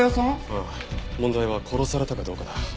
問題は殺されたかどうかだ。